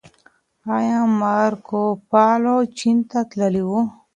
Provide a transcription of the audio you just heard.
ايا مارکوپولو چين ته تللی و؟